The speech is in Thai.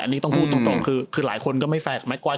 อันนี้ต้องพูดตรงคือหลายคนก็ไม่แฟร์กับแม่ก้อย